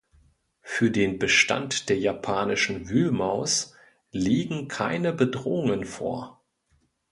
Für den Bestand der Japanischen Wühlmaus liegen keine Bedrohungen vor.